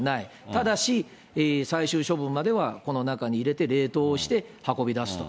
ただし、最終処分までは、この中に入れて冷凍をして、運び出すと。